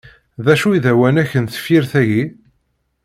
D acu i d awanek n tefyir-agi?